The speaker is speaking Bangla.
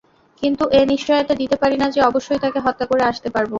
কিন্তু এ নিশ্চয়তা দিতে পারি না যে, অবশ্যই তাকে হত্যা করে আসতে পারব।